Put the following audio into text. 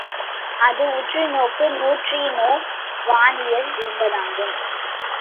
அது உற்றுநோக்கு நியூட்ரினோ வானியல் என்பதாகும்.